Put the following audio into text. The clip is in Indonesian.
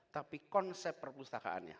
tapi konsep perpustakaannya